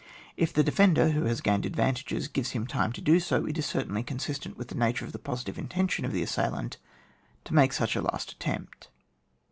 If the defender who has gained advantages gives him time to do so, it is certainly consistent with the nature of the positive intention of the assailant to make such a last attempt.